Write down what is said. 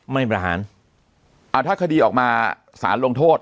ไม่ประหารอ่าถ้าคดีออกมาสารลงโทษ